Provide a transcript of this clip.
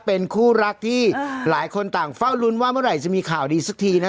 เป็นคู่รักที่หลายคนต่างเฝ้าลุ้นว่าเมื่อไหร่จะมีข่าวดีสักทีนะ